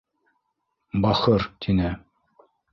— Бахыр, — тине.